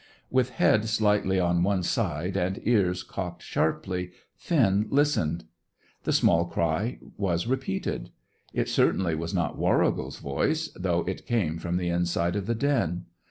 With head slightly on one side and ears cocked sharply, Finn listened. The small cry was repeated. It certainly was not Warrigal's voice, though it came from the inside of the den.